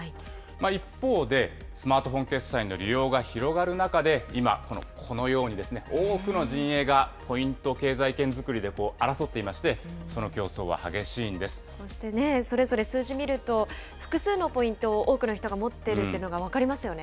一方で、スマートフォン決済の利用が広がる中で、今、このように多くの陣営がポイント経済圏作りで争っていまして、その競争は激そして、それぞれ数字見ると、複数のポイントを多くの人が持ってるっていうのが分かりますよね。